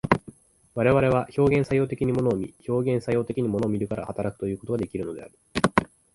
我々は表現作用的に物を見、表現作用的に物を見るから働くということができるのである。